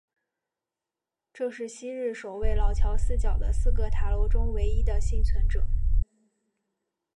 这是昔日守卫老桥四角的四个塔楼中唯一的幸存者。